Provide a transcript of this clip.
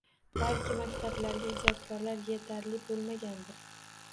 Balki maktablarga ijodkorlar yetarli bo‘lmagandir.